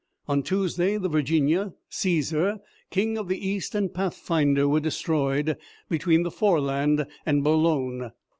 On Tuesday the Virginia, Caesar, King of the East, and Pathfinder were destroyed between the Foreland and Boulogne.